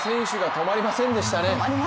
止まりませんでしたね。